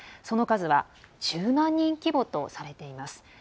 その数は１０万人規模とされています。